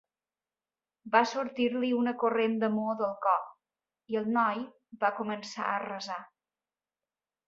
Va sortir-li una corrent d'amor del cor, i el noi va començar a resar.